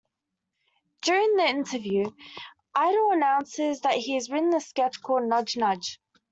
During the interview, Idle announces that he's written a sketch called "Nudge Nudge".